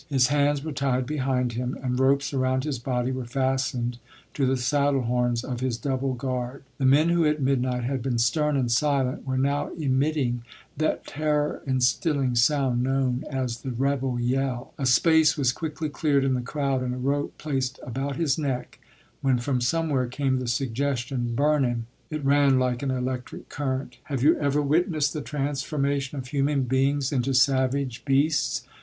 His hands were tied behind him, and ropes around his body were fastened to the saddle horns of his double guard. The men who at midnight had been stern and silent were now emitting that terror instilling sound known as the "rebel yell." A space was quickly cleared in the crowd, and a rope placed about his neck, when from somewhere came the suggestion, "Burn him!" It ran like an electric current. Have you ever witnessed the transformation of human beings into savage beasts?